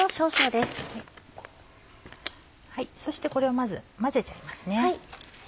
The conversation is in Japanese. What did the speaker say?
そしてこれをまず混ぜちゃいます。